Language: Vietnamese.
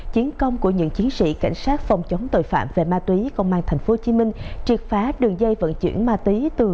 chiến công của những chiến sĩ cảnh sát phòng chống tội phạm về ma túy công an tp hcm triệt phá đường dây vận chuyển ma túy từ